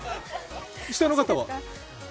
下の方は？